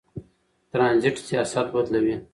ترانزیت سیاست بدلوي.